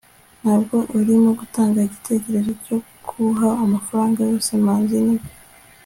ntabwo urimo gutanga igitekerezo cyo guha amafaranga yose manzi, nibyo